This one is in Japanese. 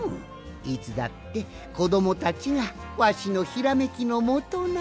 いつだってこどもたちがわしのひらめきのもとなんじゃ。